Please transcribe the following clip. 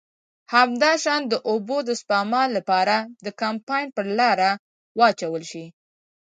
همداشان د اوبو د سپما له پاره د کمپاین پر لاره واچول شي.